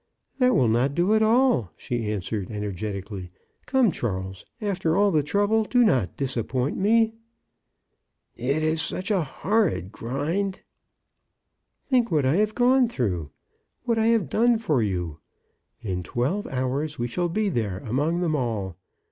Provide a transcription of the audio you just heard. " That will not do at all," she answered, ener getically. " Come, Charles, after all the trouble, do not disappoint me." It is such a horrid grind." "Think what I have gone through — what I 44 CHRISTMAS AT THOMPSON HALL. have done for you ! In twelve hours we shall be there, among them all.